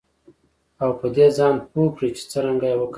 او په دې ځان پوه کړئ چې څرنګه یې وکاروئ